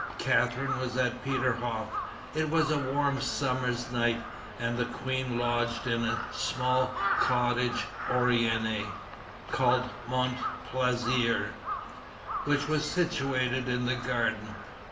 Catharine was at Peterhof. It was a warm summer's night, and the queen lodged in a small cottage orné called Montplaisir, which was situated in the garden.